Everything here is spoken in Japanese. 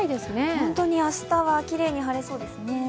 本当に明日はきれいに晴れそうですね。